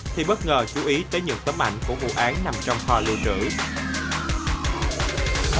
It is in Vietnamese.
thì bất ngờ chú ý tới những tấm ảnh của vụ án nằm trong kho lưu trữ